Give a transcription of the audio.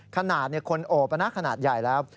ขนาดคนโอบขนาดใหญ่แล้ว